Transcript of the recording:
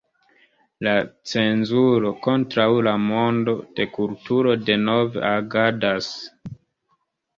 La cenzuro kontraŭ la mondo de kulturo denove agadas.